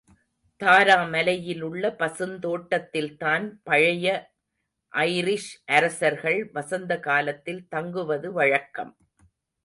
தாரா மலையிலுள்ள பசுந்தோட்டத்தில்தான் பழைய ஐரிஷ் அரசர்கள் வசந்தகாலத்தில் தங்குவது வழக்கம்.